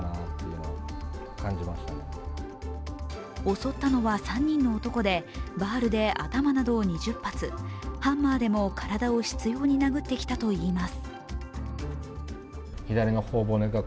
襲ったのは３人の男で、バールで頭などを２０発、ハンマーでも体を執ように殴ってきたといいます。